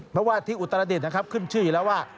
เพราะว่าที่อุตรดิษฐนะครับขึ้นชื่ออยู่แล้วว่า